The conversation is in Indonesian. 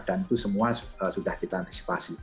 dan itu semua sudah kita antisipasi